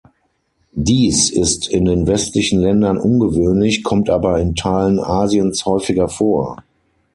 Dies ist in den westlichen Ländern ungewöhnlich, kommt aber in Teilen Asiens häufiger vor.